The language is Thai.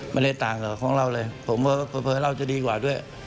ไม่ได้ต่างกับของเราเลยผมเผลอเราจะดีกว่าด้วย